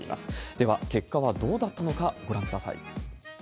では、結果はどうだったのか、ご覧ください。